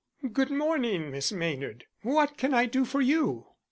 "Good morning, Miss Maynard. What can I do for you?"